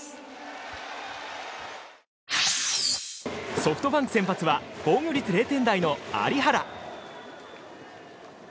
ソフトバンク先発は防御率０点台の有原。